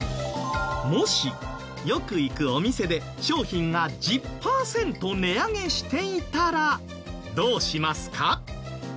もしよく行くお店で商品が１０パーセント値上げしていたらどうしますか？